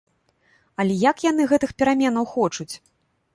Але як яны гэтых пераменаў хочуць?